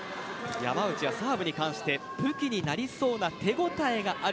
山内はサーブに関して武器になりそうな手応えがある。